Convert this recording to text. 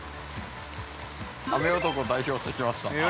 雨男を代表して来ました。